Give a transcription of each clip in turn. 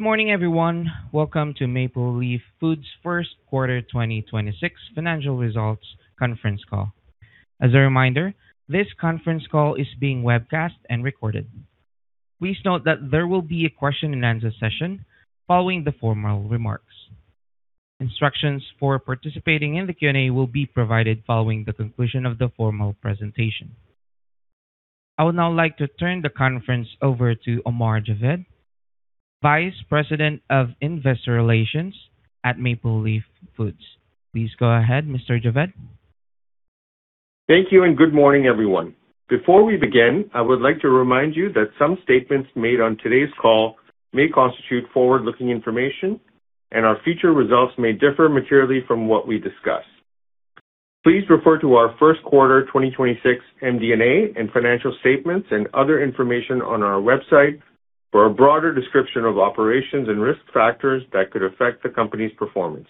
Good morning, everyone. Welcome to Maple Leaf Foods' Quarter 2026 Financial Results Conference Call. As a reminder, this conference call is being webcast and recorded. Please note that there will be a question-and-answer session following the formal remarks. Instructions for participating in the Q&A will be provided following the conclusion of the formal presentation. I would now like to turn the conference over to Omar Javed, Vice President of Investor Relations at Maple Leaf Foods. Please go ahead, Mr. Javed. Thank you, good morning, everyone. Before we begin, I would like to remind you that some statements made on today's call may constitute forward-looking information, and our future results may differ materially from what we discuss. Please refer to our First Quarter 2026 MD&A and financial statements and other information on our website for a broader description of operations and risk factors that could affect the company's performance.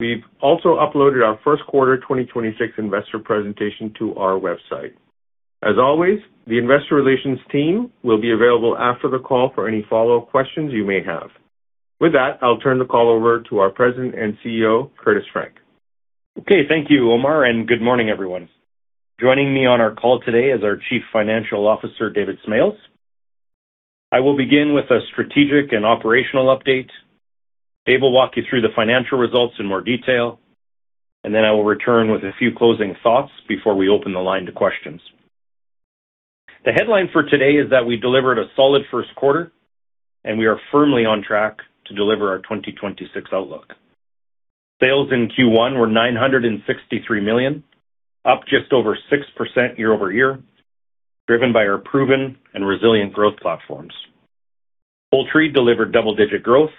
We've also uploaded our First Quarter 2026 investor presentation to our website. As always, the investor relations team will be available after the call for any follow-up questions you may have. With that, I'll turn the call over to our President and CEO, Curtis Frank. Okay, thank you, Omar, and good morning, everyone. Joining me on our call today is our Chief Financial Officer, David Smales. I will begin with a strategic and operational update, able to walk you through the financial results in more detail. Then I will return with a few closing thoughts before we open the line to questions. The headline for today is that we delivered a solid first quarter. We are firmly on track to deliver our 2026 outlook. Sales in Q1 were 963 million, up just over 6% year-over-year, driven by our proven and resilient growth platforms. Poultry delivered double-digit growth,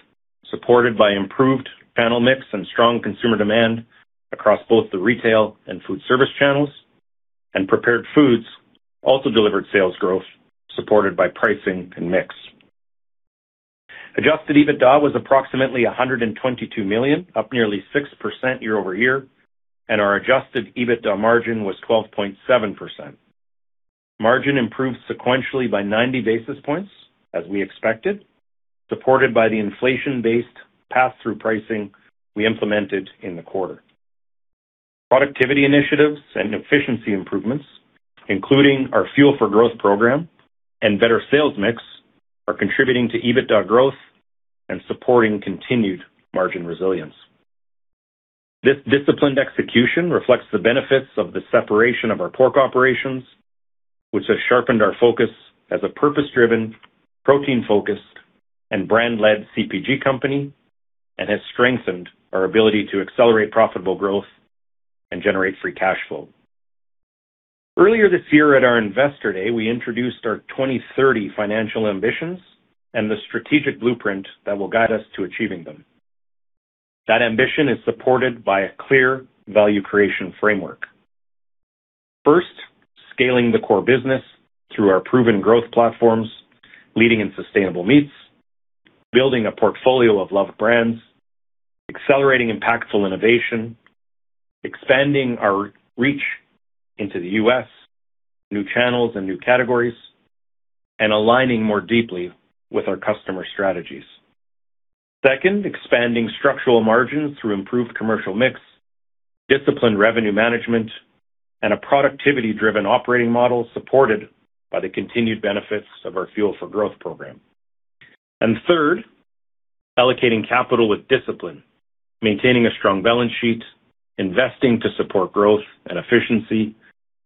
supported by improved channel mix and strong consumer demand across both the retail and food service channels. Prepared Foods also delivered sales growth, supported by pricing and mix. Adjusted EBITDA was approximately 122 million, up nearly 6% year-over-year. Our adjusted EBITDA margin was 12.7%. Margin improved sequentially by 90 basis points, as we expected, supported by the inflation-based pass-through pricing we implemented in the quarter. Productivity initiatives and efficiency improvements, including our Fuel for Growth program and better sales mix, are contributing to EBITDA growth and supporting continued margin resilience. This disciplined execution reflects the benefits of the separation of our pork operations, which has sharpened our focus as a purpose-driven, protein-focused, and brand-led CPG company, and has strengthened our ability to accelerate profitable growth and generate free cash flow. Earlier this year at our Investor Day, we introduced our 2030 financial ambitions and the strategic blueprint that will guide us to achieving them. That ambition is supported by a clear value creation framework: first, scaling the core business through our proven growth platforms, leading in Sustainable Meats, building a portfolio of loved brands, accelerating impactful innovation, expanding our reach into the U.S., new channels and new categories, and aligning more deeply with our customer strategies. Second, expanding structural margins through improved commercial mix, disciplined revenue management, and a productivity-driven operating model supported by the continued benefits of our Fuel for Growth program. Third, allocating capital with discipline, maintaining a strong balance sheet, investing to support growth and efficiency,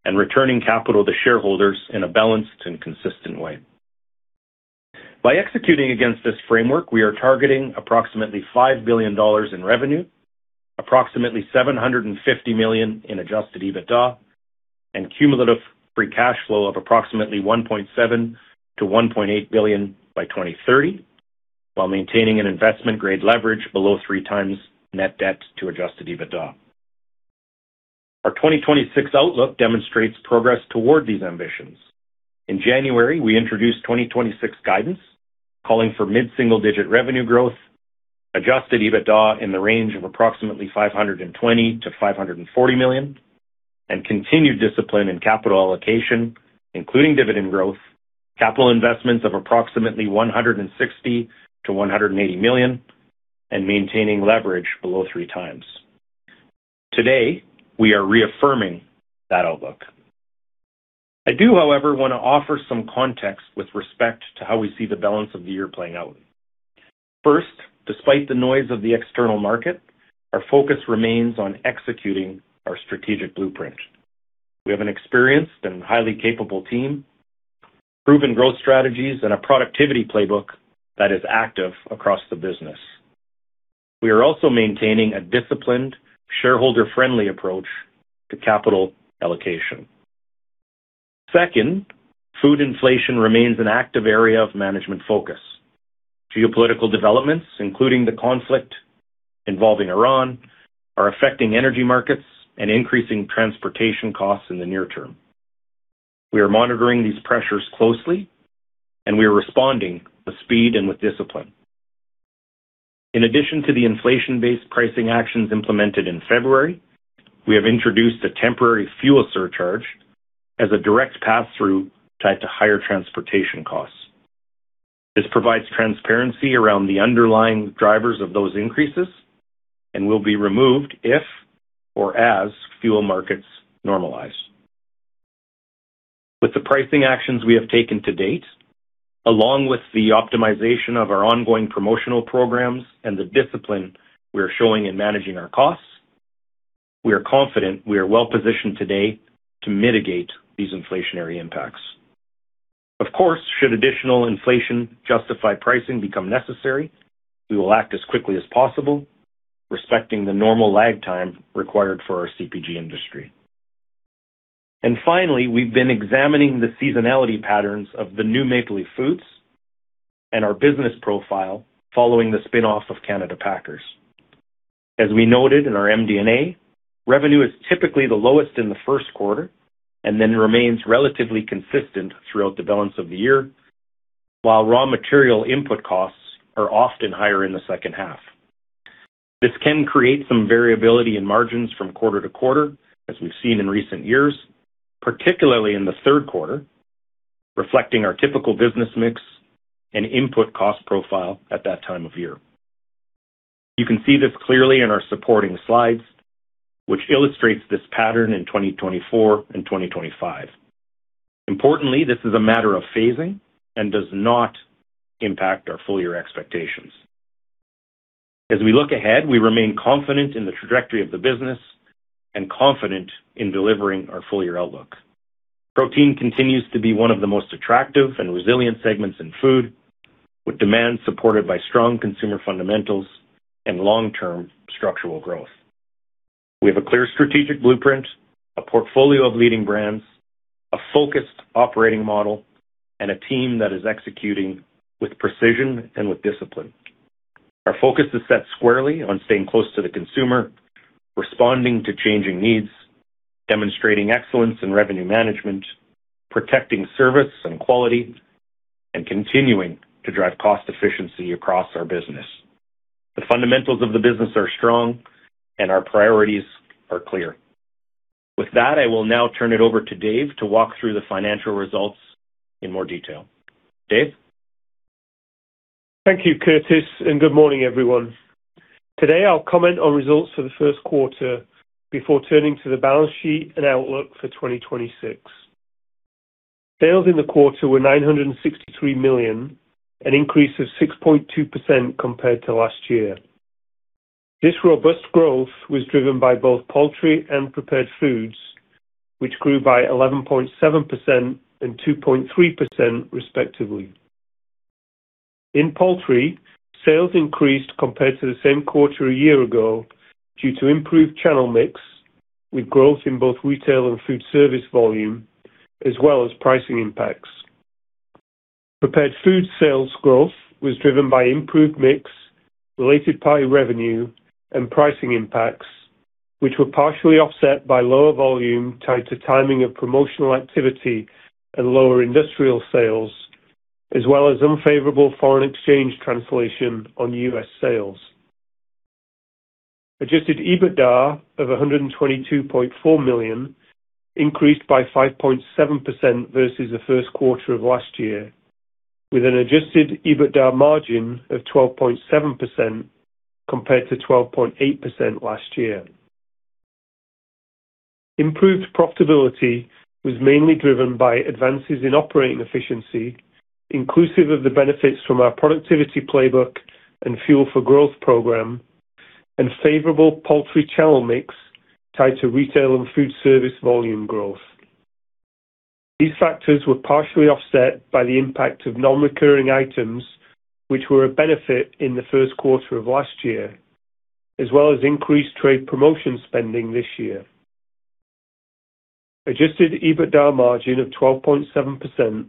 and returning capital to shareholders in a balanced and consistent way. By executing against this framework, we are targeting approximately 5 billion dollars in revenue, approximately 750 million in adjusted EBITDA, and cumulative free cash flow of approximately 1.7 billion-1.8 billion by 2030, while maintaining an investment-grade leverage below 3x net debt to adjusted EBITDA. Our 2026 outlook demonstrates progress toward these ambitions. In January, we introduced 2026 guidance, calling for mid-single-digit revenue growth, adjusted EBITDA in the range of approximately 520 million-540 million, and continued discipline in capital allocation, including dividend growth, capital investments of approximately 160 million-180 million, and maintaining leverage below 3x. Today, we are reaffirming that outlook. I do, however, want to offer some context with respect to how we see the balance of the year playing out. First, despite the noise of the external market, our focus remains on executing our strategic blueprint. We have an experienced and highly capable team, proven growth strategies, and a productivity playbook that is active across the business. We are also maintaining a disciplined, shareholder-friendly approach to capital allocation. Second, food inflation remains an active area of management focus. Geopolitical developments, including the conflict involving Iran, are affecting energy markets and increasing transportation costs in the near term. We are monitoring these pressures closely, and we are responding with speed and with discipline. In addition to the inflation-based pricing actions implemented in February, we have introduced a temporary fuel surcharge as a direct pass-through tied to higher transportation costs. This provides transparency around the underlying drivers of those increases and will be removed if or as fuel markets normalize. With the pricing actions we have taken to date, along with the optimization of our ongoing promotional programs and the discipline we are showing in managing our costs, we are confident we are well positioned today to mitigate these inflationary impacts. Of course, should additional inflation-justified pricing become necessary, we will act as quickly as possible, respecting the normal lag time required for our CPG industry. Finally, we've been examining the seasonality patterns of the new Maple Leaf Foods and our business profile following the spinoff of Canada Packers. As we noted in our MD&A, revenue is typically the lowest in the first quarter and then remains relatively consistent throughout the balance of the year, while raw material input costs are often higher in the second half. This can create some variability in margins from quarter-to-quarter, as we've seen in recent years, particularly in the third quarter, reflecting our typical business mix and input cost profile at that time of year. You can see this clearly in our supporting slides, which illustrates this pattern in 2024 and 2025. Importantly, this is a matter of phasing and does not impact our full year expectations. As we look ahead, we remain confident in the trajectory of the business and confident in delivering our full year outlook. Protein continues to be one of the most attractive and resilient segments in food, with demand supported by strong consumer fundamentals and long-term structural growth. We have a clear strategic blueprint, a portfolio of leading brands, a focused operating model, and a team that is executing with precision and with discipline. Our focus is set squarely on staying close to the consumer, responding to changing needs, demonstrating excellence in revenue management, protecting service and quality, and continuing to drive cost efficiency across our business. The fundamentals of the business are strong, and our priorities are clear. With that, I will now turn it over to Dave to walk through the financial results in more detail. Dave? Thank you, Curtis, and good morning, everyone. Today, I'll comment on results for the first quarter before turning to the balance sheet and outlook for 2026. Sales in the quarter were 963 million, an increase of 6.2% compared to last year. This robust growth was driven by both Poultry and Prepared Foods, which grew by 11.7% and 2.3%, respectively. In Poultry, sales increased compared to the same quarter a year ago due to improved channel mix, with growth in both retail and food service volume, as well as pricing impacts. Prepared Foods sales growth was driven by improved mix, related party revenue, and pricing impacts, which were partially offset by lower volume tied to timing of promotional activity and lower industrial sales, as well as unfavorable foreign exchange translation on U.S. sales. Adjusted EBITDA of 122.4 million increased by 5.7% versus the first quarter of last year, with an adjusted EBITDA margin of 12.7% compared to 12.8% last year. Improved profitability was mainly driven by advances in operating efficiency, inclusive of the benefits from our productivity playbook and Fuel for Growth program, and favorable poultry channel mix tied to retail and food service volume growth. These factors were partially offset by the impact of non-recurring items, which were a benefit in the first quarter of last year, as well as increased trade promotion spending this year. Adjusted EBITDA margin of 12.7%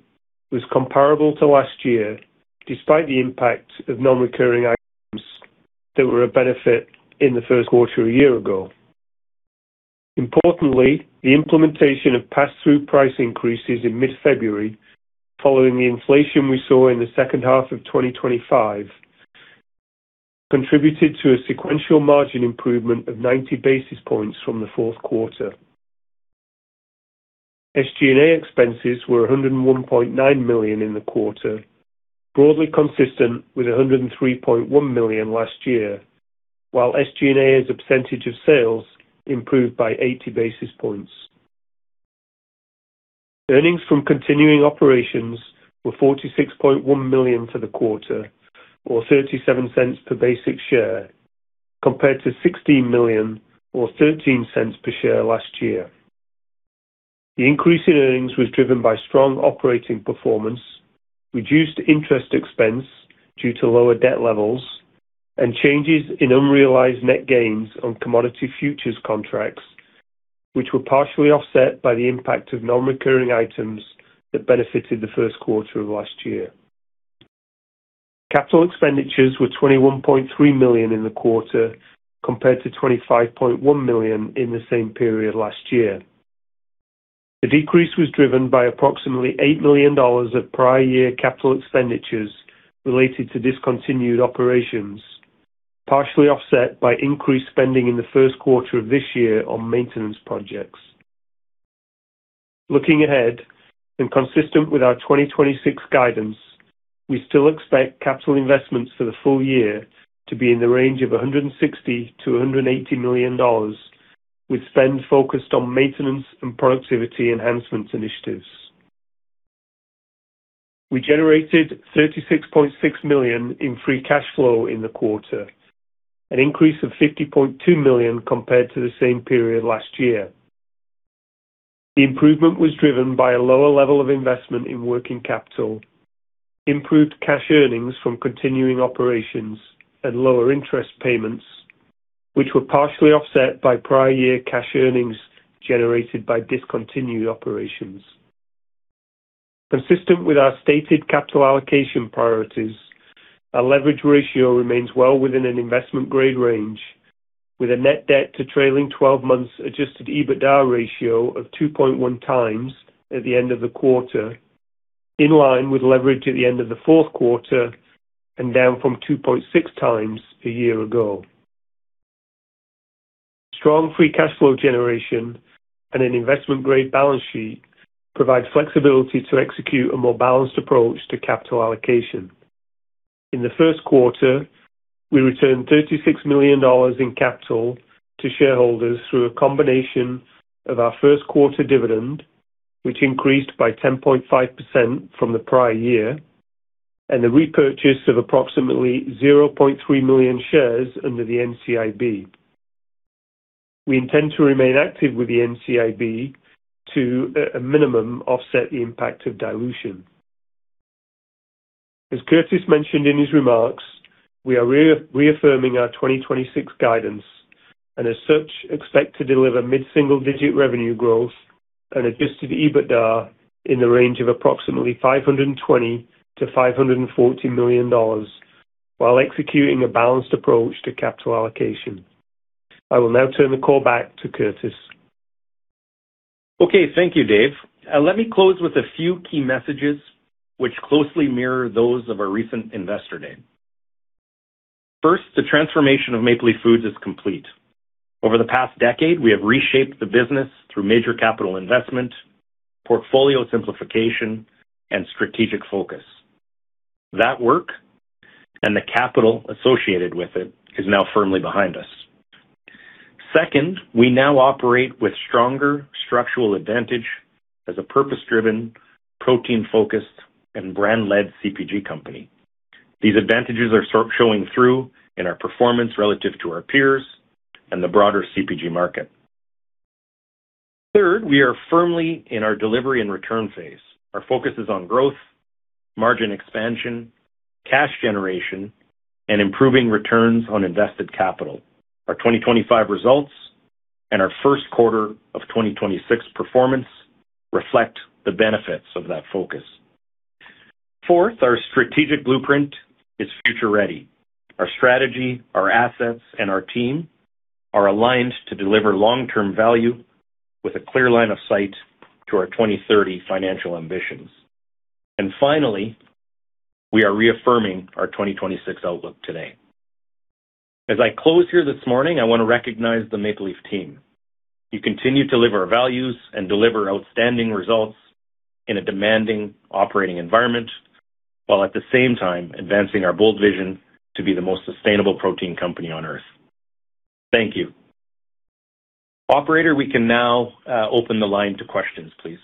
was comparable to last year, despite the impact of non-recurring items that were a benefit in the first quarter a year ago. Importantly, the implementation of path-through price increases in mid-February, following the inflation we saw in the second half of 2025, contributed to a sequential margin improvement of 90 basis points from the fourth quarter. SG&A expenses were 101.9 million in the quarter, broadly consistent with 103.1 million last year, while SG&A's percentage of sales improved by 80 basis points. Earnings from continuing operations were 46.1 million for the quarter, or 0.37 per basic share, compared to 16 million or 0.13 per share last year. The increase in earnings was driven by strong operating performance, reduced interest expense due to lower debt levels, and changes in unrealized net gains on commodity futures contracts, which were partially offset by the impact of non-recurring items that benefited the first quarter of last year. Capital expenditures were 21.3 million in the quarter, compared to 25.1 million in the same period last year. The decrease was driven by approximately CAD 8 million of prior-year capital expenditures related to discontinued operations, partially offset by increased spending in the first quarter of this year on maintenance projects. Looking ahead and consistent with our 2026 guidance, we still expect capital investments for the full year to be in the range of 160 million-180 million dollars, with spend focused on maintenance and productivity enhancements initiatives. We generated 36.6 million in free cash flow in the quarter, an increase of 50.2 million compared to the same period last year. The improvement was driven by a lower level of investment in working capital, improved cash earnings from continuing operations, and lower interest payments, which were partially offset by prior-year cash earnings generated by discontinued operations. Consistent with our stated capital allocation priorities, our leverage ratio remains well within an investment-grade range, with a net debt-to-trailing 12-months adjusted EBITDA ratio of 2.1x at the end of the quarter, in line with leverage at the end of the fourth quarter and down from 2.6x a year ago. Strong free cash flow generation and an investment-grade balance sheet provide flexibility to execute a more balanced approach to capital allocation. In the first quarter, we returned 36 million dollars in capital to shareholders through a combination of our first-quarter dividend, which increased by 10.5% from the prior-year, and the repurchase of approximately 0.3 million shares under the NCIB. We intend to remain active with the NCIB to, at a minimum, offset the impact of dilution. As Curtis mentioned in his remarks, we are reaffirming our 2026 guidance and, as such, expect to deliver mid-single-digit revenue growth and adjusted EBITDA in the range of approximately 520 million-540 million dollars while executing a balanced approach to capital allocation. I will now turn the call back to Curtis. Okay. Thank you, Dave. Let me close with a few key messages which closely mirror those of our recent Investor Day. First, the transformation of Maple Leaf Foods is complete. Over the past decade, we have reshaped the business through major capital investment, portfolio simplification, and strategic focus. That work and the capital associated with it is now firmly behind us. Second, we now operate with stronger structural advantage as a purpose-driven, protein-focused, and brand-led CPG company. These advantages are showing through in our performance relative to our peers and the broader CPG market. Third, we are firmly in our delivery and return phase. Our focus is on growth, margin expansion, cash generation, and improving returns on invested capital. Our 2025 results and our first quarter of 2026 performance reflect the benefits of that focus. Fourth, our strategic blueprint is future-ready. Our strategy, our assets, and our team are aligned to deliver long-term value with a clear line of sight to our 2030 financial ambitions. Finally, we are reaffirming our 2026 outlook today. As I close here this morning, I want to recognize the Maple Leaf team. You continue to live our values and deliver outstanding results in a demanding operating environment while, at the same time, advancing our bold vision to be the most sustainable protein company on Earth. Thank you. Operator, we can now open the line to questions, please.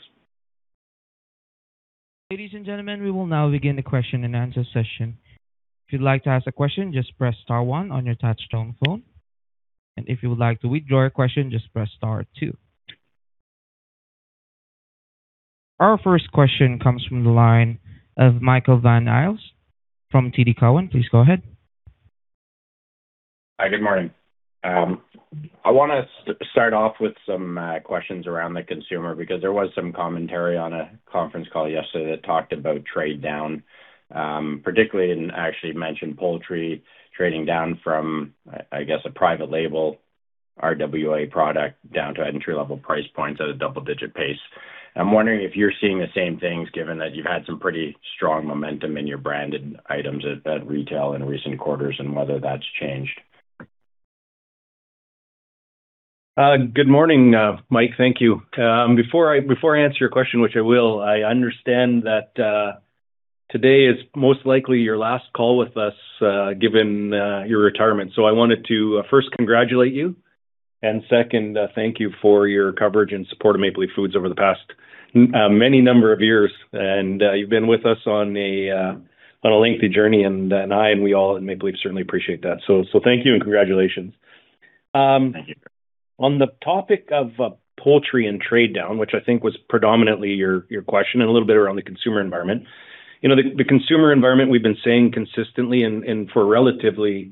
Ladies and gentlemen, we will now begin the question-and-answer session. If you'd like to ask a question, just press star one on your touch-tone phone. If you would like to withdraw your question, just press star two. Our first question comes from the line of Michael Van Aelst from TD Cowen. Please go ahead. Hi. Good morning. I want to start off with some questions around the consumer because there was some commentary on a conference call yesterday that talked about trade down, particularly in actually mentioned poultry trading down from, I guess, a private label, RWA product, down to entry-level price points at a double-digit pace. I'm wondering if you're seeing the same things given that you've had some pretty strong momentum in your branded items at retail in recent quarters and whether that's changed. Good morning, Mike. Thank you. Before I answer your question, which I will, I understand that today is most likely your last call with us given your retirement. I wanted to first congratulate you and, second, thank you for your coverage and support of Maple Leaf Foods over the past many number of years. You've been with us on a lengthy journey, and I and we all at Maple Leaf certainly appreciate that. Thank you and congratulations. Thank you. On the topic of Poultry and trade down, which I think was predominantly your question and a little bit around the consumer environment, we've been saying consistently for a relatively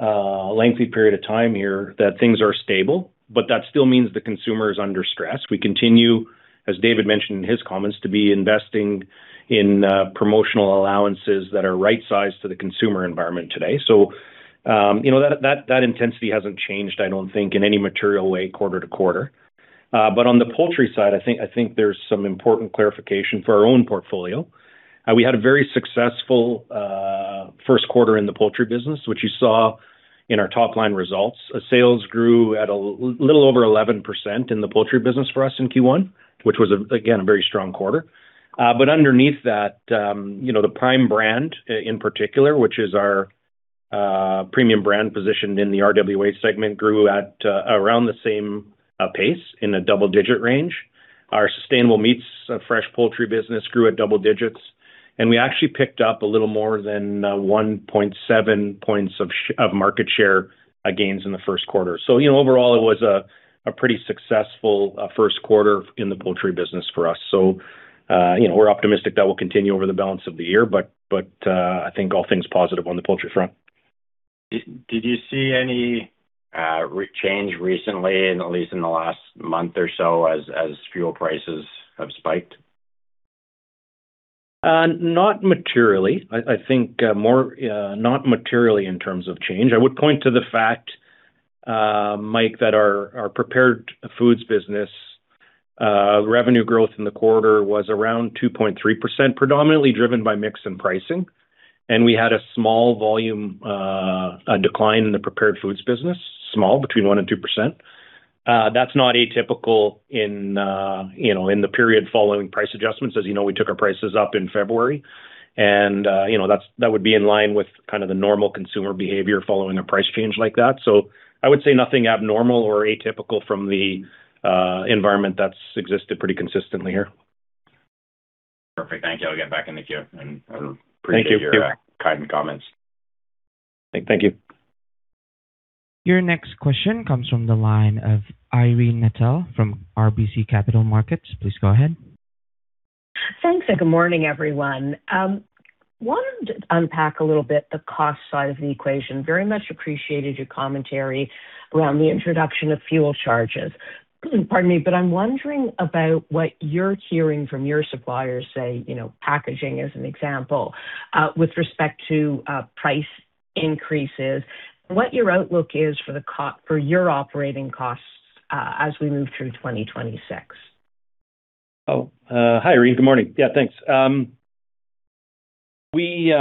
lengthy period of time here that things are stable, that still means the consumer is under stress. We continue, as David mentioned in his comments, to be investing in promotional allowances that are right-sized to the consumer environment today. That intensity hasn't changed, I don't think, in any material way quarter-to-quarter. On the Poultry side, I think there's some important clarification for our own portfolio. We had a very successful first quarter in the Poultry business, which you saw in our top-line results. Sales grew at a little over 11% in the Poultry business for us in Q1, which was, again, a very strong quarter. Underneath that, the Prime brand in particular, which is our premium brand positioned in the RWA segment, grew at around the same pace in a double-digit range. Our Sustainable Meats Fresh Poultry business grew at double digits. We actually picked up a little more than 1.7 points of market share gains in the first quarter. Overall, it was a pretty successful first quarter in the Poultry business for us. We're optimistic that will continue over the balance of the year. I think all things positive on the Poultry front. Did you see any change recently, at least in the last month or so, as fuel prices have spiked? Not materially. I think not materially in terms of change. I would point to the fact, Mike, that our Prepared Foods business revenue growth in the quarter was around 2.3%, predominantly driven by mix and pricing. We had a small volume decline in the Prepared Foods business, small, between 1% and 2%. That's not atypical in the period following price adjustments. As you know, we took our prices up in February. That would be in line with kind of the normal consumer behavior following a price change like that. I would say nothing abnormal or atypical from the environment that's existed pretty consistently here. Perfect. Thank you. I'll get back in the queue. I appreciate your kind comments. Thank you. Your next question comes from the line of Irene Nattel from RBC Capital Markets. Please go ahead. Thanks. Good morning, everyone. I wanted to unpack a little bit the cost side of the equation. Very much appreciated your commentary around the introduction of fuel charges. Pardon me, I'm wondering about what you're hearing from your suppliers, say, packaging as an example, with respect to price increases, what your outlook is for your operating costs as we move through 2026. Oh. Hi, Irene. Good morning. Yeah, thanks. We,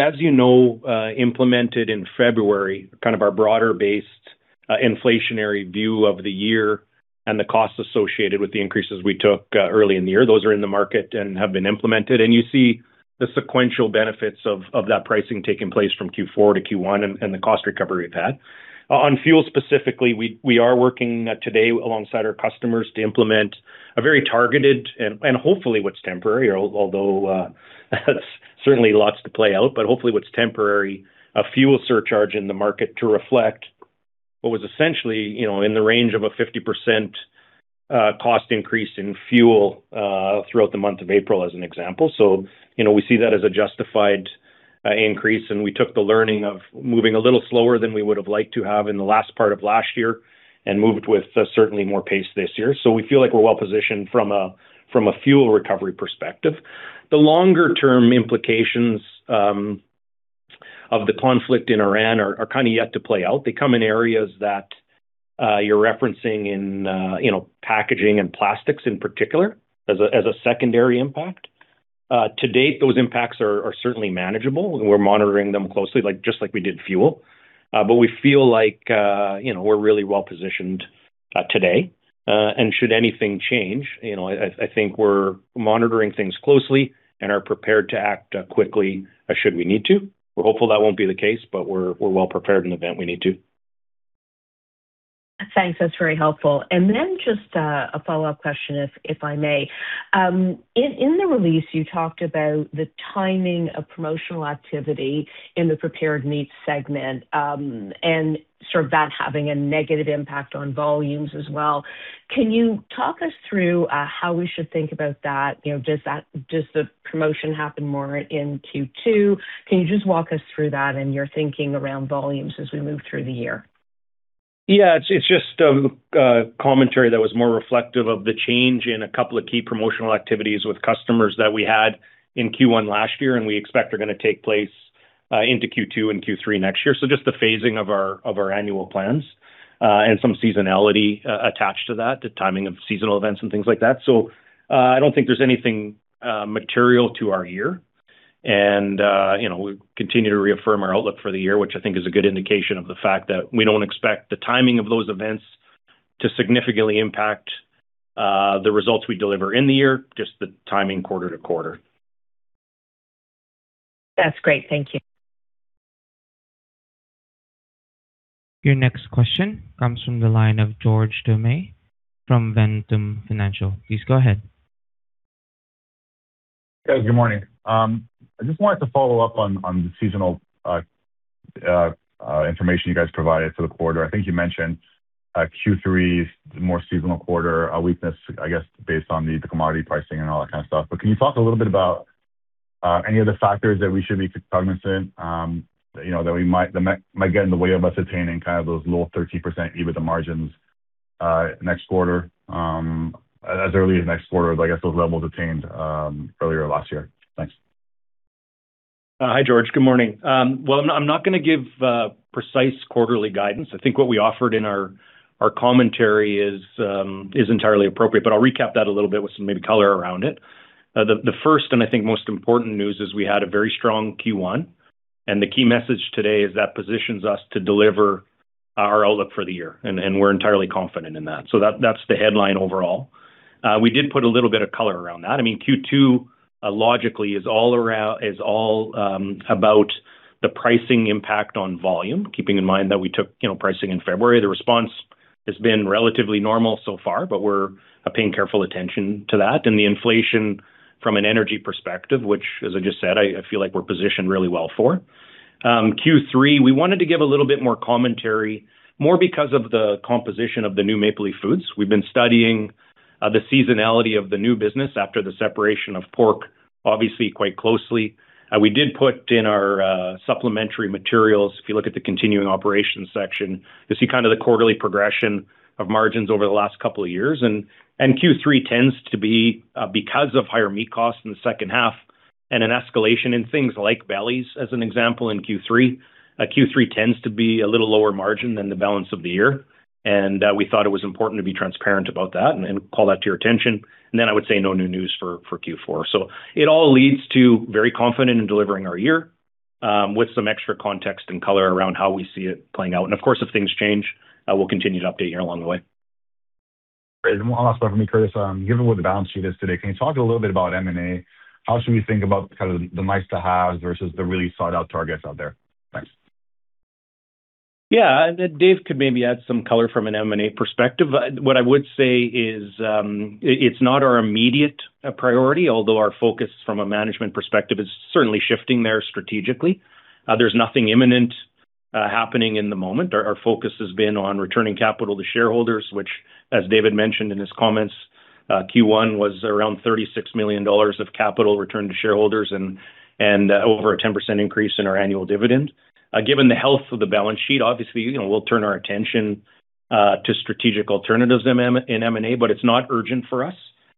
as you know, implemented in February kind of our broader-based inflationary view of the year and the costs associated with the increases we took early in the year. Those are in the market and have been implemented. You see the sequential benefits of that pricing taking place from Q4 to Q1 and the cost recovery we've had. On fuel specifically, we are working today alongside our customers to implement a very targeted and hopefully, what's temporary, although that's certainly lots to play out, but hopefully, what's temporary, a fuel surcharge in the market to reflect what was essentially in the range of a 50% cost increase in fuel throughout the month of April, as an example. We see that as a justified increase. We took the learning of moving a little slower than we would have liked to have in the last part of last year and moved with certainly more pace this year. We feel like we're well-positioned from a fuel recovery perspective. The longer-term implications of the conflict in Iran are kind of yet to play out. They come in areas that you're referencing in packaging and plastics in particular as a secondary impact. To date, those impacts are certainly manageable. We're monitoring them closely, just like we did fuel. We feel like we're really well-positioned today. Should anything change, I think we're monitoring things closely and are prepared to act quickly should we need to. We're hopeful that won't be the case, but we're well-prepared in the event we need to. Thanks. That's very helpful. Then just a follow-up question, if I may. In the release, you talked about the timing of promotional activity in the prepared meats segment and sort of that having a negative impact on volumes as well. Can you talk us through how we should think about that? Does the promotion happen more in Q2? Can you just walk us through that and your thinking around volumes as we move through the year? Yeah. It's just commentary that was more reflective of the change in a couple of key promotional activities with customers that we had in Q1 last year, and we expect are going to take place into Q2 and Q3 next year. Just the phasing of our annual plans and some seasonality attached to that, the timing of seasonal events and things like that. I don't think there's anything material to our year. We continue to reaffirm our outlook for the year, which I think is a good indication of the fact that we don't expect the timing of those events to significantly impact the results we deliver in the year, just the timing quarter-to-quarter. That's great. Thank you. Your next question comes from the line of George [Doumat] from Ventum Financial. Please go ahead. Hey. Good morning. I just wanted to follow up on the seasonal information you guys provided for the quarter. I think you mentioned Q3 is the more seasonal quarter, a weakness, I guess, based on the commodity pricing and all that kind of stuff. Can you talk a little bit about any other factors that we should be cognizant that might get in the way of us attaining kind of those low 30% EBITDA margins next quarter, as early as next quarter, I guess, those levels attained earlier last year? Thanks. Hi, George. Good morning. Well, I'm not going to give precise quarterly guidance. I think what we offered in our commentary is entirely appropriate. I'll recap that a little bit with some maybe color around it. The first and I think most important news is we had a very strong Q1. The key message today is that positions us to deliver our outlook for the year. We're entirely confident in that. That's the headline overall. We did put a little bit of color around that. I mean, Q2, logically, is all about the pricing impact on volume, keeping in mind that we took pricing in February. The response has been relatively normal so far, but we're paying careful attention to that. The inflation from an energy perspective, which, as I just said, I feel like we're positioned really well for. Q3, we wanted to give a little bit more commentary, more because of the composition of the new Maple Leaf Foods. We've been studying the seasonality of the new business after the separation of pork, obviously, quite closely. We did put in our supplementary materials, if you look at the continuing operations section, you see kind of the quarterly progression of margins over the last couple of years. Q3 tends to be, because of higher meat costs in the second half and an escalation in things like bellies, as an example, in Q3 tends to be a little lower margin than the balance of the year. We thought it was important to be transparent about that and call that to your attention. Then I would say no new news for Q4. It all leads to very confident in delivering our year with some extra context and color around how we see it playing out. Of course, if things change, we'll continue to update you along the way. Great. One last one from me, Curtis. Given what the balance sheet is today, can you talk a little bit about M&A? How should we think about kind of the nice-to-haves versus the really sought-out targets out there? Thanks. Yeah. David could maybe add some color from an M&A perspective. What I would say is it's not our immediate priority, although our focus from a management perspective is certainly shifting there strategically. There's nothing imminent happening in the moment. Our focus has been on returning capital to shareholders, which, as David mentioned in his comments, Q1 was around 36 million dollars of capital returned to shareholders and over a 10% increase in our annual dividend. Given the health of the balance sheet, obviously, we'll turn our attention to strategic alternatives in M&A, it's not urgent for us.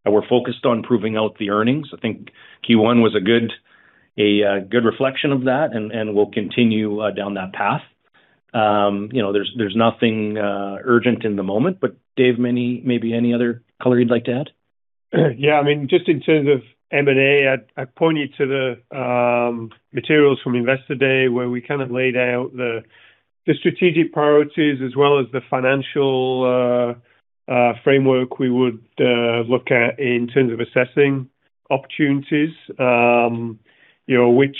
We're focused on proving out the earnings. I think Q1 was a good reflection of that, and we'll continue down that path. There's nothing urgent in the moment. Dave, maybe any other color you'd like to add? Just in terms of M&A, I point you to the materials from Investor Day where we kind of laid out the strategic priorities as well as the financial framework we would look at in terms of assessing opportunities, which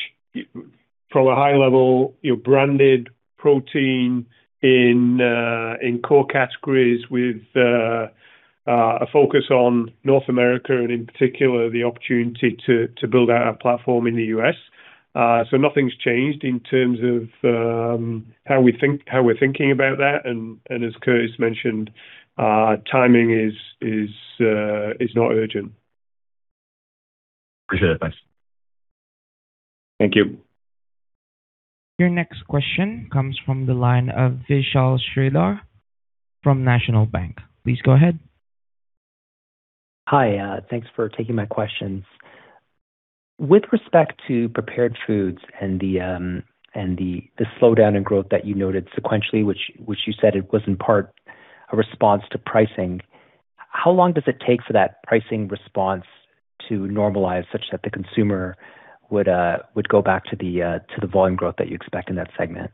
from a high level, branded protein in core categories with a focus on North America and, in particular, the opportunity to build out our platform in the U.S. Nothing's changed in terms of how we're thinking about that. As Curtis mentioned, timing is not urgent. Appreciate it. Thanks. Thank you. Your next question comes from the line of Vishal Shreedhar from National Bank. Please go ahead. Hi. Thanks for taking my questions. With respect to Prepared Foods and the slowdown in growth that you noted sequentially, which you said it was in part a response to pricing, how long does it take for that pricing response to normalize such that the consumer would go back to the volume growth that you expect in that segment?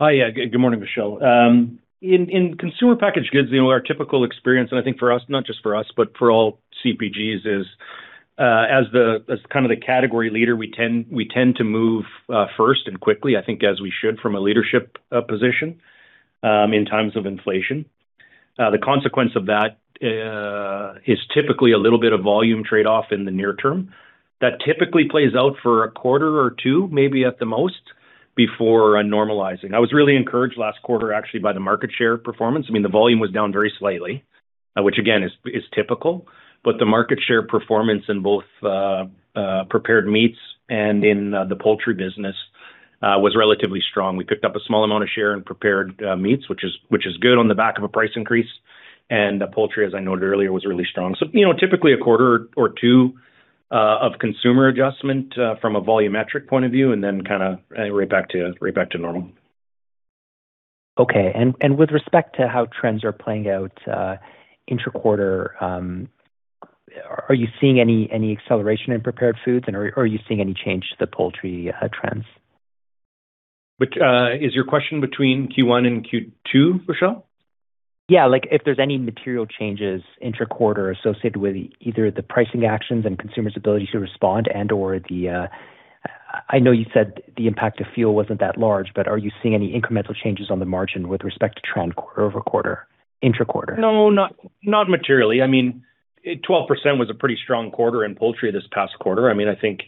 Hi. Yeah. Good morning, Vishal. In consumer packaged goods, our typical experience, and I think for us, not just for us, but for all CPGs, is as kind of the category leader, we tend to move first and quickly, I think as we should from a leadership position in times of inflation. The consequence of that is typically a little bit of volume trade-off in the near term. That typically plays out for a quarter or two, maybe at the most, before normalizing. I was really encouraged last quarter, actually, by the market share performance. I mean, the volume was down very slightly, which, again, is typical. But the market share performance in both prepared meats and in the Poultry business was relatively strong. We picked up a small amount of share in prepared meats, which is good on the back of a price increase. Poultry, as I noted earlier, was really strong. Typically, a quarter or two of consumer adjustment from a volumetric point of view, and then kind of right back to normal. Okay. With respect to how trends are playing out intra-quarter, are you seeing any acceleration in Prepared Foods, and are you seeing any change to the Poultry trends? Is your question between Q1 and Q2, Vishal? Yeah. If there's any material changes intra-quarter associated with either the pricing actions and consumers' ability to respond and/or the I know you said the impact of fuel wasn't that large, but are you seeing any incremental changes on the margin with respect to trend intra-quarter? No, not materially. I mean, 12% was a pretty strong quarter in Poultry this past quarter. I mean, I think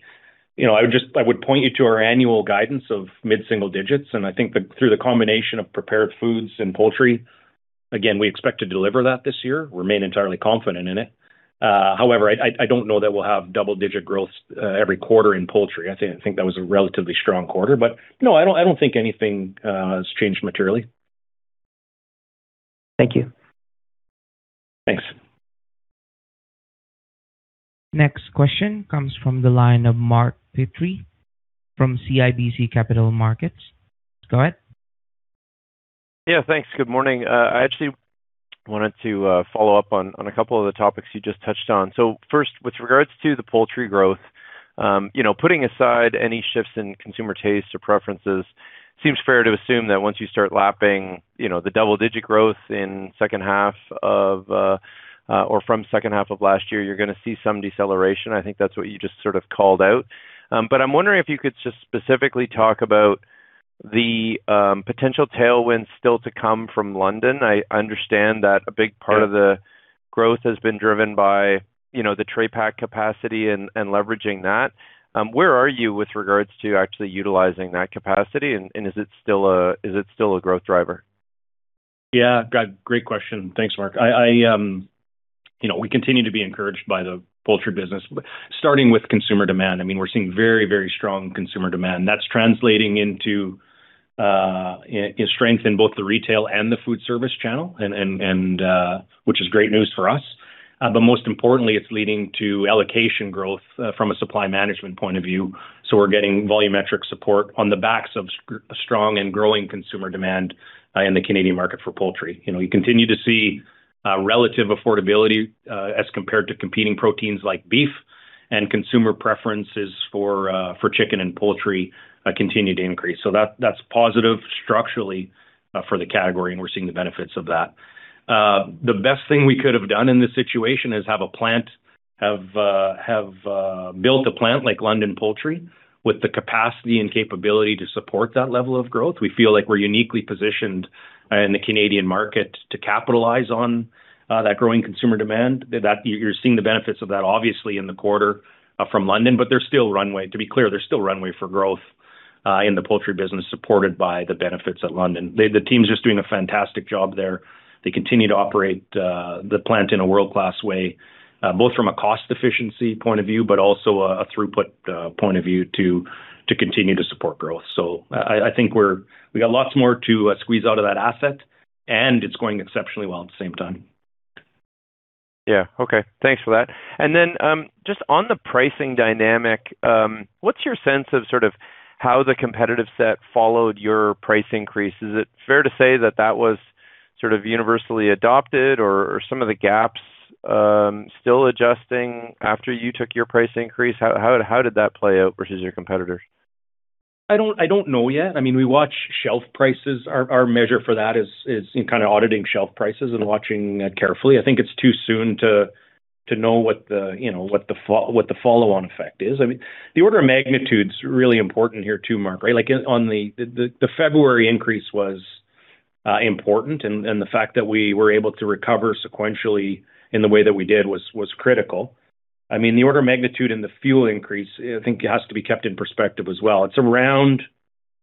I would point you to our annual guidance of mid-single digits. I think through the combination of Prepared Foods and Poultry, again, we expect to deliver that this year, remain entirely confident in it. However, I don't know that we'll have double-digit growth every quarter in Poultry. I think that was a relatively strong quarter. No, I don't think anything has changed materially. Thank you. Thanks. Next question comes from the line of Mark Petrie from CIBC Capital Markets. Go ahead. Yeah. Thanks. Good morning. I actually wanted to follow up on a couple of the topics you just touched on. First, with regards to the poultry growth, putting aside any shifts in consumer tastes or preferences, it seems fair to assume that once you start lapping the double-digit growth in second half of last year, you're going to see some deceleration. I think that's what you just sort of called out. I'm wondering if you could just specifically talk about the potential tailwinds still to come from London. I understand that a big part of the growth has been driven by the tray pack capacity and leveraging that. Where are you with regards to actually utilizing that capacity? Is it still a growth driver? Yeah. Great question. Thanks, Mark. We continue to be encouraged by the Poultry business, starting with consumer demand. I mean, we're seeing very, very strong consumer demand. That's translating into strength in both the retail and the food service channel, which is great news for us. Most importantly, it's leading to allocation growth from a supply management point of view. We're getting volumetric support on the backs of strong and growing consumer demand in the Canadian market for Poultry. You continue to see relative affordability as compared to competing proteins like beef, and consumer preferences for chicken and Poultry continue to increase. That's positive structurally for the category, and we're seeing the benefits of that. The best thing we could have done in this situation is have built a plant like London Poultry with the capacity and capability to support that level of growth. We feel like we're uniquely positioned in the Canadian market to capitalize on that growing consumer demand. You're seeing the benefits of that, obviously, in the quarter from London. There's still runway. To be clear, there's still runway for growth in the Poultry business supported by the benefits at London. The team's just doing a fantastic job there. They continue to operate the plant in a world-class way, both from a cost efficiency point of view, but also a throughput point of view to continue to support growth. I think we've got lots more to squeeze out of that asset, and it's going exceptionally well at the same time. Yeah. Okay. Thanks for that. Then just on the pricing dynamic, what's your sense of sort of how the competitive set followed your price increase? Is it fair to say that that was sort of universally adopted, or are some of the gaps still adjusting after you took your price increase? How did that play out versus your competitors? I don't know yet. I mean, we watch shelf prices. Our measure for that is kind of auditing shelf prices and watching carefully. I think it's too soon to know what the follow-on effect is. I mean, the order of magnitude's really important here too, Mark, right? The February increase was important, the fact that we were able to recover sequentially in the way that we did was critical. I mean, the order of magnitude in the fuel increase, I think, has to be kept in perspective as well. It's around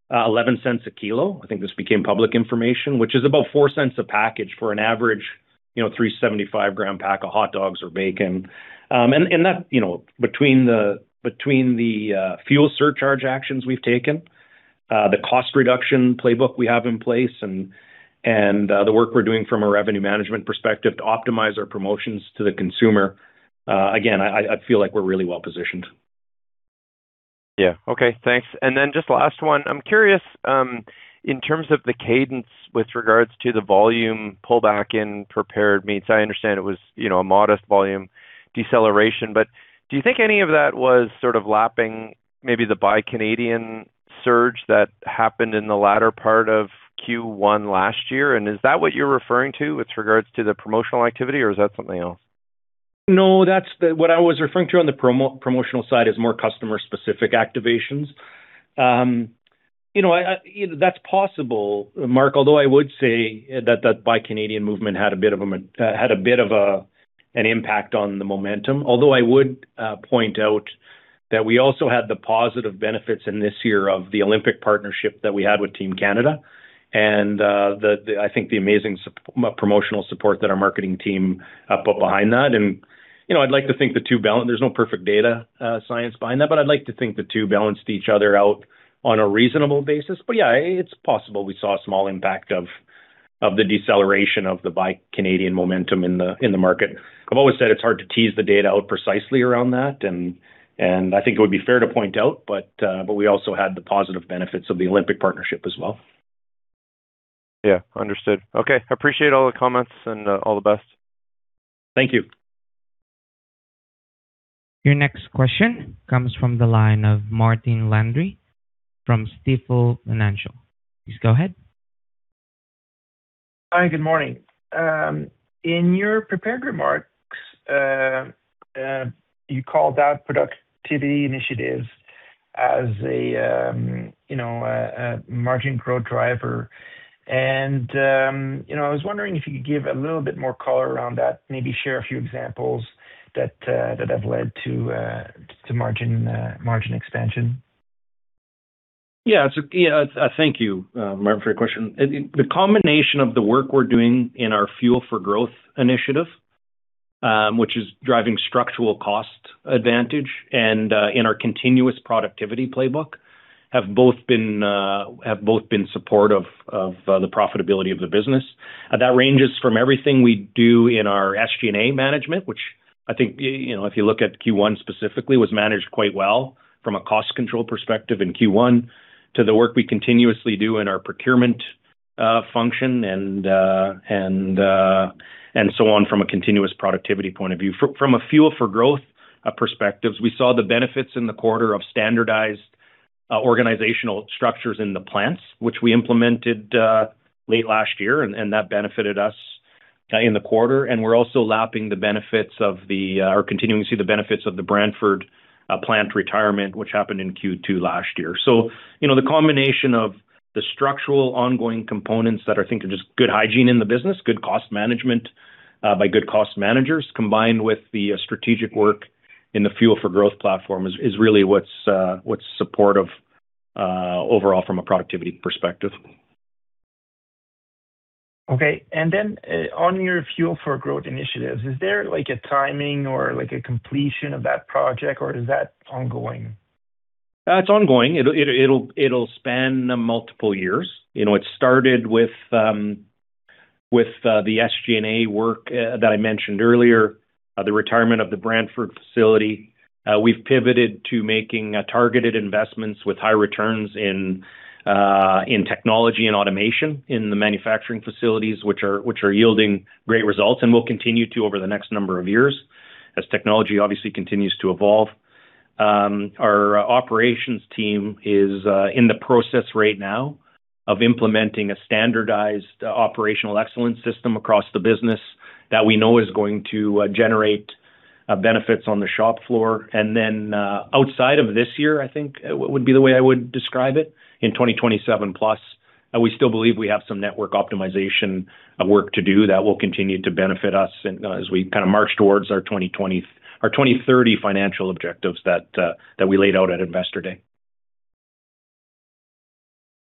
0.11 a kilo. I think this became public information, which is about 0.04 a package for an average 375g pack of hot dogs or bacon. That, between the fuel surcharge actions we've taken, the cost reduction playbook we have in place, and the work we're doing from a revenue management perspective to optimize our promotions to the consumer, again, I feel like we're really well positioned. Yeah. Okay. Thanks. Just last one. I'm curious, in terms of the cadence with regards to the volume pullback in prepared meats, I understand it was a modest volume deceleration. Do you think any of that was sort of lapping maybe the Buy Canadian surge that happened in the latter part of Q1 last year? Is that what you're referring to with regards to the promotional activity, or is that something else? No, what I was referring to on the promotional side is more customer-specific activations. That's possible, Mark, although I would say that that buy Canadian movement had a bit of an impact on the momentum. Although I would point out that we also had the positive benefits in this year of the Olympic Partnership that we had with Team Canada and, I think, the amazing promotional support that our marketing team put behind that. I'd like to think the two balance there's no perfect data science behind that, but I'd like to think the two balanced each other out on a reasonable basis. Yeah, it's possible we saw a small impact of the deceleration of the buy Canadian momentum in the market. I've always said it's hard to tease the data out precisely around that. I think it would be fair to point out, but we also had the positive benefits of the Olympic partnership as well. Yeah. Understood. Okay. Appreciate all the comments and all the best. Thank you. Your next question comes from the line of Martin Landry from Stifel Financial. Please go ahead. Hi. Good morning. In your prepared remarks, you called out productivity initiatives as a margin growth driver. I was wondering if you could give a little bit more color around that, maybe share a few examples that have led to margin expansion? Yeah. Thank you, Martin, for your question. The combination of the work we're doing in our Fuel for Growth initiative, which is driving structural cost advantage, and in our continuous productivity playbook have both been supportive of the profitability of the business. That ranges from everything we do in our SG&A management, which I think, if you look at Q1 specifically, was managed quite well from a cost control perspective in Q1 to the work we continuously do in our procurement function and so on from a continuous productivity point of view. From a Fuel for Growth perspective, we saw the benefits in the quarter of standardized organizational structures in the plants, which we implemented late last year, and that benefited us in the quarter. We're also lapping the benefits of the or continuing to see the benefits of the Brantford plant retirement, which happened in Q2 last year. The combination of the structural ongoing components that I think are just good hygiene in the business, good cost management by good cost managers, combined with the strategic work in the Fuel for Growth platform, is really what's supportive overall from a productivity perspective. Okay. Then on your Fuel for Growth initiatives, is there a timing or a completion of that project, or is that ongoing? It's ongoing. It'll span multiple years. It started with the SG&A work that I mentioned earlier, the retirement of the Brantford facility. We've pivoted to making targeted investments with high returns in technology and automation in the manufacturing facilities, which are yielding great results, and will continue to over the next number of years as technology, obviously, continues to evolve. Our operations team is in the process right now of implementing a standardized operational excellence system across the business that we know is going to generate benefits on the shop floor. Outside of this year, I think, would be the way I would describe it, in 2027 plus, we still believe we have some network optimization work to do that will continue to benefit us as we kind of march towards our 2030 financial objectives that we laid out at Investor Day.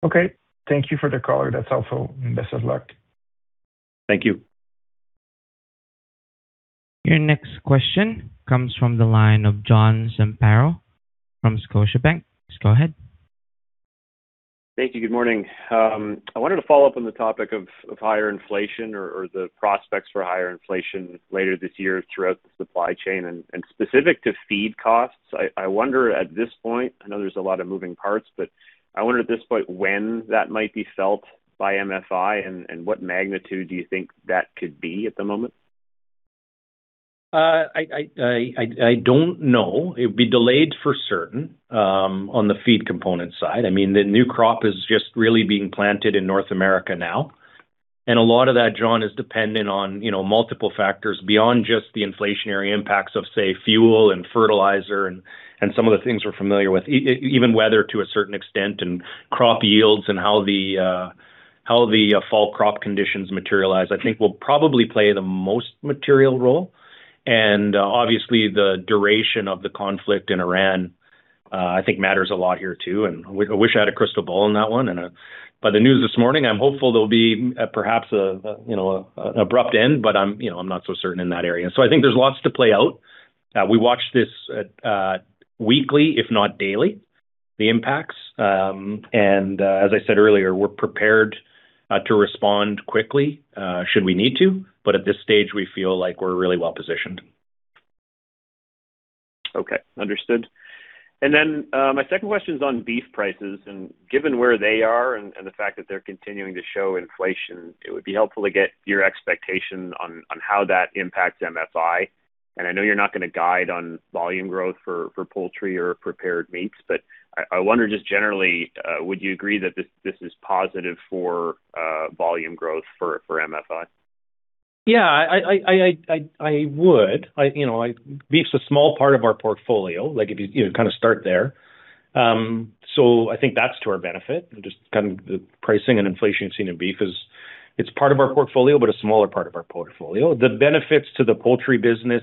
Okay. Thank you for the color. That's helpful. Best of luck. Thank you. Your next question comes from the line of John Zamparo from Scotiabank. Please go ahead. Thank you. Good morning. I wanted to follow up on the topic of higher inflation or the prospects for higher inflation later this year throughout the supply chain. Specific to feed costs, I wonder at this point I know there's a lot of moving parts, but I wonder at this point when that might be felt by MFI, and what magnitude do you think that could be at the moment? I don't know. It would be delayed for certain on the feed component side. I mean, the new crop is just really being planted in North America now. A lot of that, John, is dependent on multiple factors beyond just the inflationary impacts of, say, fuel and fertilizer and some of the things we're familiar with, even weather to a certain extent and crop yields and how the fall crop conditions materialize, I think, will probably play the most material role. Obviously, the duration of the conflict in Iran, I think, matters a lot here too. I wish I had a crystal ball on that one. By the news this morning, I'm hopeful there'll be perhaps an abrupt end, but I'm not so certain in that area. I think there's lots to play out. We watch this weekly, if not daily, the impacts. As I said earlier, we're prepared to respond quickly should we need to. At this stage, we feel like we're really well positioned. Okay. Understood. My second question is on beef prices. Given where they are and the fact that they're continuing to show inflation, it would be helpful to get your expectation on how that impacts MFI. I know you're not going to guide on volume growth for Poultry or prepared meats, but I wonder just generally, would you agree that this is positive for volume growth for MFI? Yeah. I would. Beef's a small part of our portfolio. If you kind of start there, I think that's to our benefit. Just kind of the pricing and inflation you've seen in beef, it's part of our portfolio, but a smaller part of our portfolio. The benefits to the Poultry business,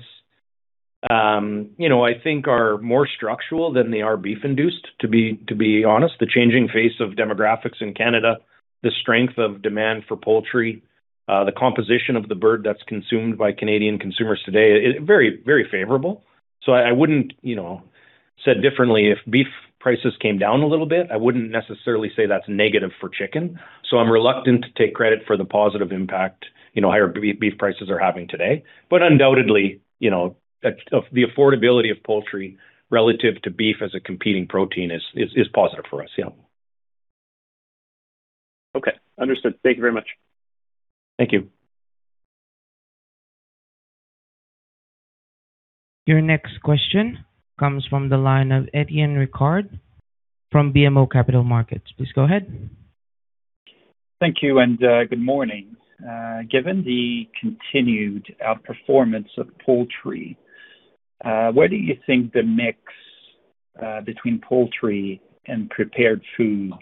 I think, are more structural than they are beef-induced, to be honest. The changing face of demographics in Canada, the strength of demand for Poultry, the composition of the bird that's consumed by Canadian consumers today, very favorable. I wouldn't have said differently if beef prices came down a little bit. I wouldn't necessarily say that's negative for chicken. I'm reluctant to take credit for the positive impact higher beef prices are having today. Undoubtedly, the affordability of Poultry relative to beef as a competing protein is positive for us. Yeah. Okay. Understood. Thank you very much. Thank you. Your next question comes from the line of [Étienne Ricard] from BMO Capital Markets. Please go ahead. Thank you and good morning. Given the continued outperformance of Poultry, where do you think the mix between Poultry and Prepared Foods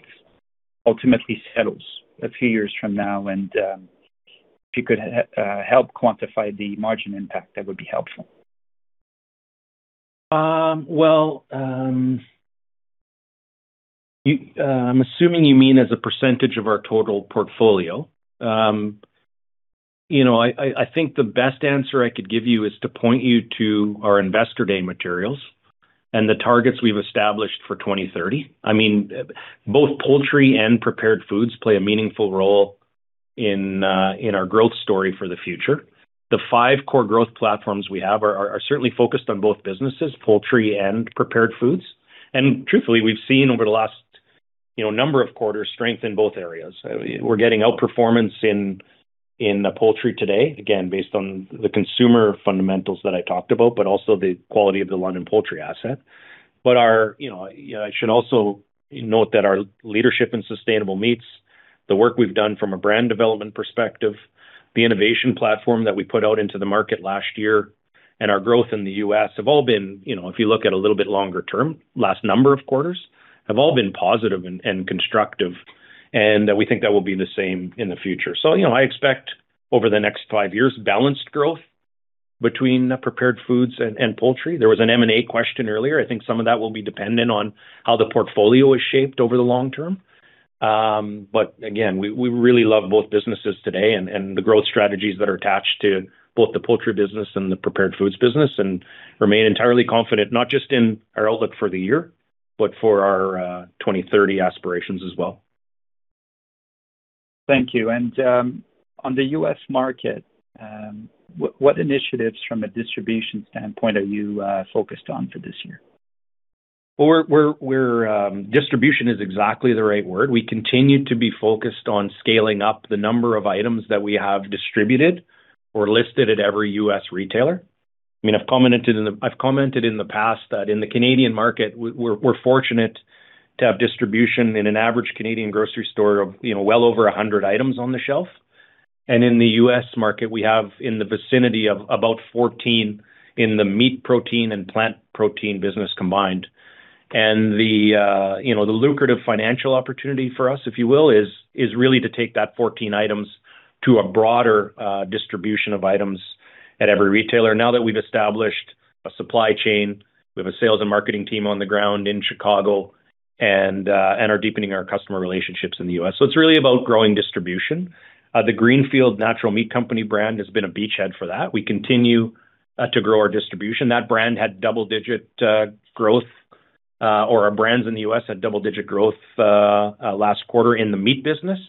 ultimately settles a few years from now? If you could help quantify the margin impact, that would be helpful. I'm assuming you mean as a percentage of our total portfolio. I think the best answer I could give you is to point you to our Investor Day materials and the targets we've established for 2030. I mean, both Poultry and Prepared Foods play a meaningful role in our growth story for the future. The five core growth platforms we have are certainly focused on both businesses, Poultry and Prepared Foods. Truthfully, we've seen over the last number of quarters strength in both areas. We're getting outperformance in Poultry today, again, based on the consumer fundamentals that I talked about, but also the quality of the London Poultry asset. I should also note that our leadership in Sustainable Meats, the work we've done from a brand development perspective, the innovation platform that we put out into the market last year, and our growth in the U.S. have all been if you look at a little bit longer term, last number of quarters, have all been positive and constructive. We think that will be the same in the future. I expect over the next five years, balanced growth between Prepared Foods and Poultry. There was an M&A question earlier. I think some of that will be dependent on how the portfolio is shaped over the long term. Again, we really love both businesses today and the growth strategies that are attached to both the Poultry business and the Prepared Foods business and remain entirely confident not just in our outlook for the year, but for our 2030 aspirations as well. Thank you. On the U.S. market, what initiatives from a distribution standpoint are you focused on for this year? Distribution is exactly the right word. We continue to be focused on scaling up the number of items that we have distributed or listed at every U.S. retailer. I mean, I've commented in the past that in the Canadian market, we're fortunate to have distribution in an average Canadian grocery store of well over 100 items on the shelf. In the U.S. market, we have in the vicinity of about 14 in the meat protein and plant protein business combined. The lucrative financial opportunity for us, if you will, is really to take that 14 items to a broader distribution of items at every retailer. Now that we've established a supply chain, we have a sales and marketing team on the ground in Chicago, and are deepening our customer relationships in the U.S. It's really about growing distribution. The Greenfield Natural Meat Co. Brand has been a beachhead for that. We continue to grow our distribution. That brand had double-digit growth or our brands in the U.S. had double-digit growth last quarter in the meat business.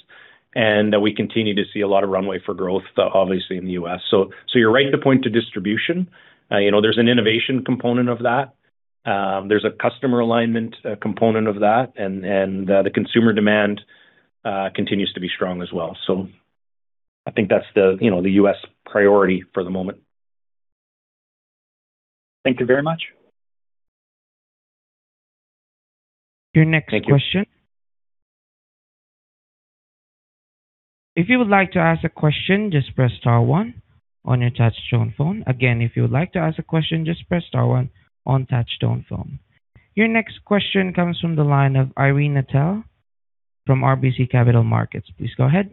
We continue to see a lot of runway for growth, obviously, in the U.S. You're right to point to distribution. There's an innovation component of that. There's a customer alignment component of that. The consumer demand continues to be strong as well. I think that's the U.S. priority for the moment. Thank you very much. Your next question. If you would like to ask a question, just press star one on your touchstone phone. Again, if you would like to ask a question, just press star one on Touchstone phone. Your next question comes from the line of Irene Nattel from RBC Capital Markets. Please go ahead.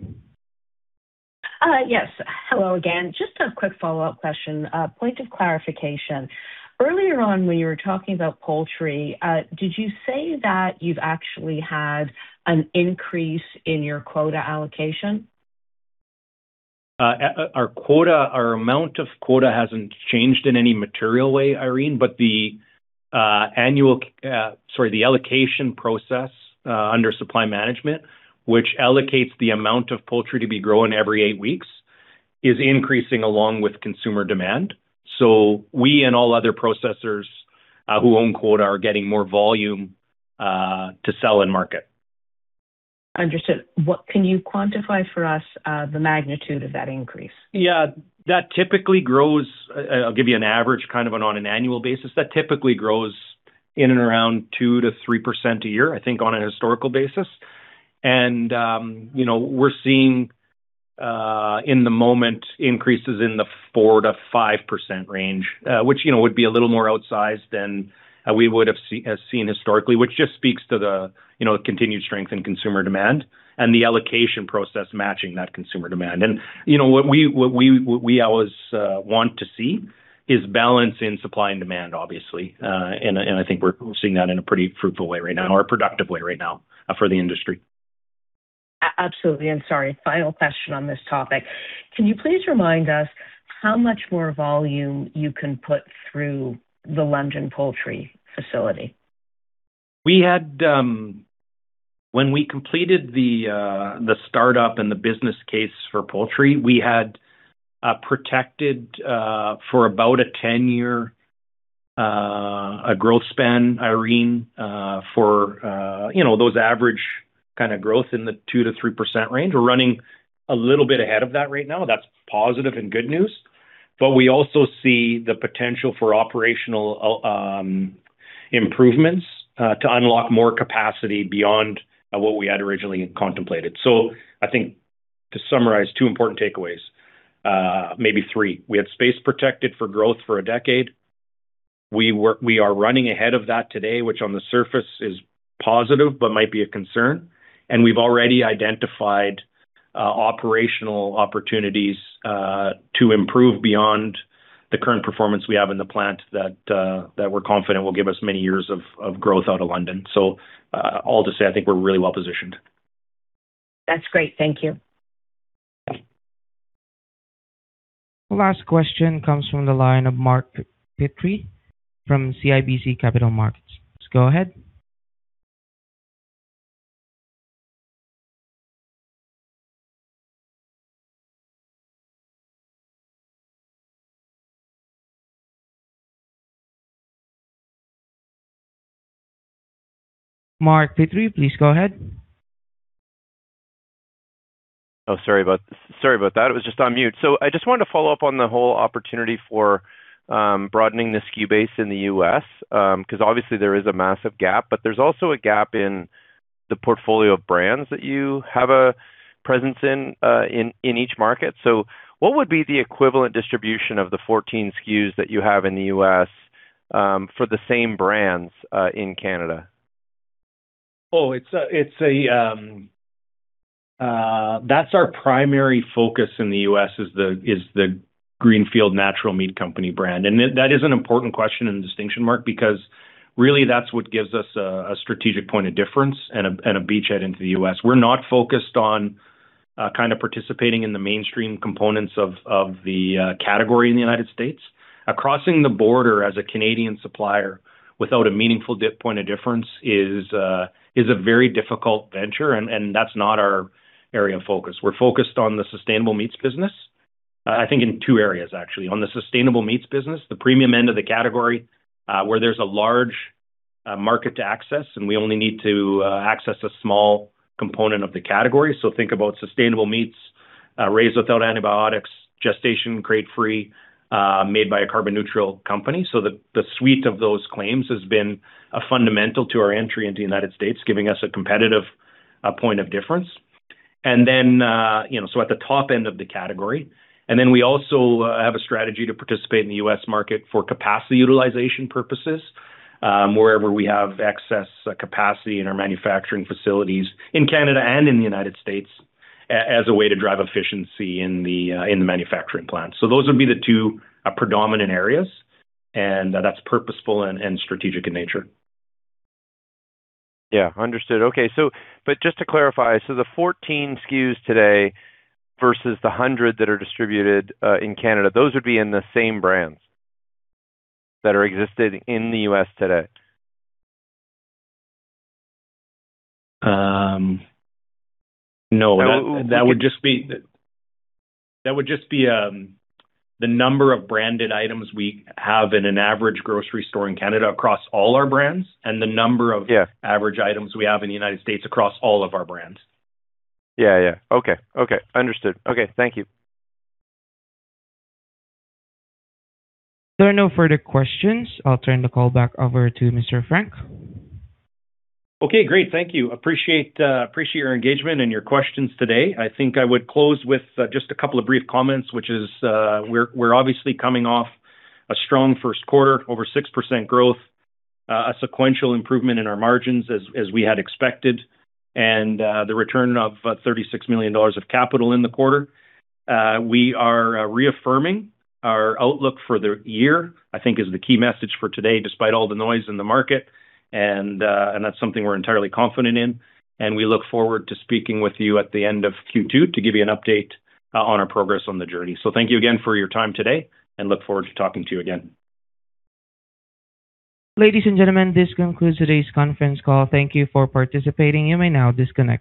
Yes. Hello again. Just a quick follow-up question, point of clarification. Earlier on, when you were talking about poultry, did you say that you've actually had an increase in your quota allocation? Our amount of quota hasn't changed in any material way, Irene, but the annual, the allocation process under supply management, which allocates the amount of poultry to be grown every eight weeks, is increasing along with consumer demand. We and all other processors who own quota are getting more volume to sell and market. Understood. What can you quantify for us, the magnitude of that increase? Yeah. I'll give you an average kind of on an annual basis. That typically grows in and around 2%-3% a year, I think, on a historical basis. We're seeing in the moment increases in the 4%-5% range, which would be a little more outsized than we would have seen historically, which just speaks to the continued strength in consumer demand and the allocation process matching that consumer demand. What we always want to see is balance in supply and demand, obviously. I think we're seeing that in a pretty fruitful way right now or productive way right now for the industry. Absolutely. Sorry, final question on this topic. Can you please remind us how much more volume you can put through the London poultry facility? When we completed the startup and the business case for Poultry, we had protected for about a 10-year growth span, Irene, for those average kind of growth in the 2%-3% range. We're running a little bit ahead of that right now. That's positive and good news. We also see the potential for operational improvements to unlock more capacity beyond what we had originally contemplated. I think, to summarize, two important takeaways, maybe three. We had space protected for growth for a decade. We are running ahead of that today, which on the surface is positive but might be a concern. We've already identified operational opportunities to improve beyond the current performance we have in the plant that we're confident will give us many years of growth out of London. All to say, I think we're really well positioned. That's great. Thank you. Last question comes from the line of Mark Petrie from CIBC Capital Markets. Please go ahead. Mark Petrie, please go ahead. Oh, sorry about that. It was just on mute. I just wanted to follow up on the whole opportunity for broadening the SKU base in the U.S. because obviously, there is a massive gap. There's also a gap in the portfolio of brands that you have a presence in each market. What would be the equivalent distribution of the 14 SKUs that you have in the U.S. for the same brands in Canada? Oh, that's our primary focus in the U.S. is the Greenfield Natural Meat Co. brand. That is an important question and distinction mark because really, that's what gives us a strategic point of difference and a beachhead into the U.S. We're not focused on kind of participating in the mainstream components of the category in the United States. Crossing the border as a Canadian supplier without a meaningful point of difference is a very difficult venture. That's not our area of focus. We're focused on the Sustainable Meats business, I think, in two areas, actually. On the Sustainable Meats business, the premium end of the category where there's a large market to access, and we only need to access a small component of the category. Think about Sustainable Meats, raised without antibiotics, gestation crate-free, made by a carbon-neutral company. The suite of those claims has been fundamental to our entry into the United States, giving us a competitive point of difference at the top end of the category. We also have a strategy to participate in the U.S. market for capacity utilization purposes wherever we have excess capacity in our manufacturing facilities in Canada and in the United States as a way to drive efficiency in the manufacturing plant. Those would be the two predominant areas. That's purposeful and strategic in nature. Yeah. Understood. Okay. Just to clarify, so the 14 SKUs today versus the 100 that are distributed in Canada, those would be in the same brands that are existing in the U.S. today? No. That would just be the number of branded items we have in an average grocery store in Canada across all our brands and the number of average items we have in the United States across all of our brands. Yeah. Yeah. Okay. Okay. Understood. Okay. Thank you. There are no further questions. I'll turn the call back over to Mr. Frank. Okay. Great. Thank you. Appreciate your engagement and your questions today. I think I would close with just a couple of brief comments, which is we're obviously coming off a strong first quarter, over 6% growth, a sequential improvement in our margins as we had expected, and the return of 36 million dollars of capital in the quarter. We are reaffirming our outlook for the year, I think, is the key message for today, despite all the noise in the market. That's something we're entirely confident in. We look forward to speaking with you at the end of Q2 to give you an update on our progress on the journey. Thank you again for your time today, and look forward to talking to you again. Ladies and gentlemen, this concludes today's conference call. Thank you for participating. You may now disconnect.